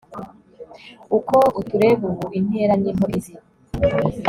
uko utureba ubu intera ni nto, izi